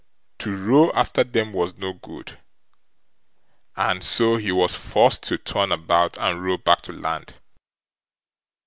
To row after them was no good, and so he was forced to turn about and row back to land.